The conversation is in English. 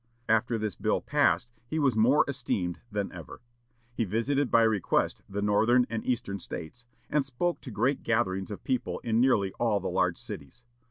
After this bill passed he was more esteemed than ever. He visited by request the Northern and Eastern States, and spoke to great gatherings of people in nearly all the large cities.